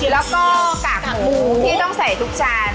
แล้วก็กากหมูที่ต้องใส่ทุกจาน